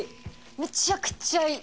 めちゃくちゃいい。